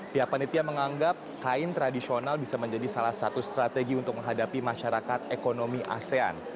pihak panitia menganggap kain tradisional bisa menjadi salah satu strategi untuk menghadapi masyarakat ekonomi asean